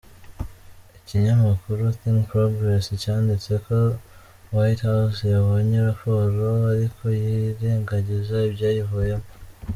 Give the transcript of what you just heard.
Ikinyamakuru Thinkprogress cyanditse ko White House yabonye raporo ariko yirengagiza ibyayivuyemo.